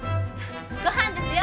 ごはんですよ！